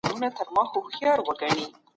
په ټولنه کي زغم او مینه زیاته وه.